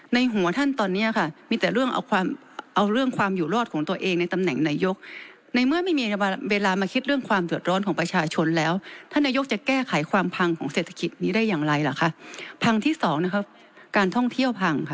ในหัวท่านตอนนี้มีแต่เรื่องเอาเรื่องความอยู่รอดของตัวเองในตำแหน่งนายศพมันตี